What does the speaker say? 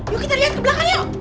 yuk kita lihat ke belakang yuk